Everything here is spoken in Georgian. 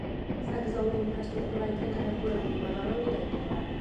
საგზაო ინფრასტრუქტურა იქნა განადგურებული, მაღაროები დაიტბორა.